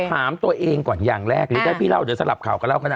ถามตัวเองก่อนอย่างแรกหรือถ้าพี่เล่าเดี๋ยวสลับข่าวกันเล่าก็ได้